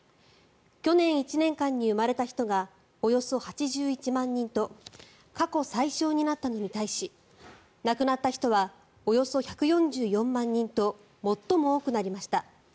去年１年間に生まれた人がおよそ８１万人と過去最少になったのに対し亡くなった人はおよそ１４４万人と最も多くなりました。